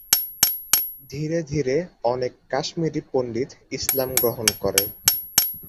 ধীরে ধীরে, অনেক কাশ্মীরি পণ্ডিত ইসলাম গ্রহণ করে।